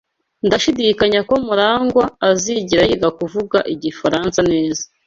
Ndashidikanya ko MuragwA azigera yiga kuvuga igifaransa neza.